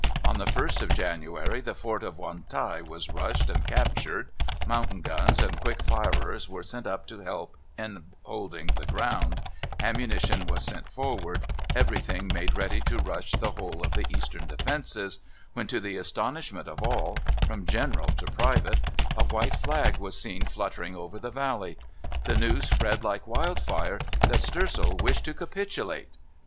On the 1st of January the fort of Wantai was rushed and captured; mountain guns and quick firers were sent up to help in holding the ground, ammunition was sent forward, everything made ready to rush the whole of the eastern defences, when, to the astonishment of all, from General to private, a white flag was seen fluttering over the valley. The news spread like wild fire that Stoessel wished to capitulate.